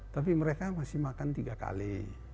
tapi mereka masih makan tiga kali